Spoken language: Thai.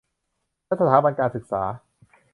และสถาบันการศึกษา